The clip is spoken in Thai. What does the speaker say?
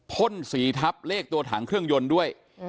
พ่นสีทับเลขตัวถังเครื่องยนต์ด้วย